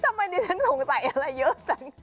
ทำไมดิฉันสงสัยอะไรเยอะจัง